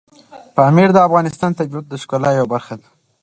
پامیر د افغانستان د طبیعت د ښکلا یوه برخه ده.